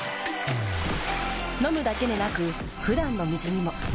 飲むだけでなく普段の水にも。